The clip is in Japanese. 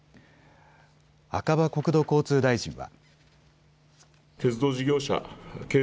赤羽国土交通大臣は。